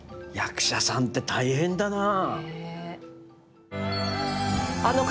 役者さんって大変だなあ。